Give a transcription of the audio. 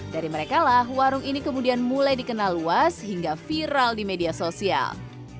dari mereka lah warung ini kemudian mulai dikenal luas hingga viral di media sosial